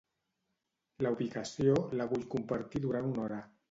La ubicació, la vull compartir durant una hora.